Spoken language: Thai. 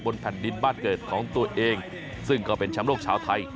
แผ่นดินบ้านเกิดของตัวเองซึ่งก็เป็นแชมป์โลกชาวไทย